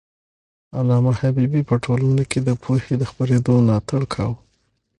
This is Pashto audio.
علامه حبيبي په ټولنه کي د پوهې د خپرېدو ملاتړ کاوه.